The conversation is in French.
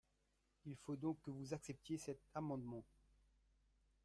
Il faut donc que vous acceptiez cet amendement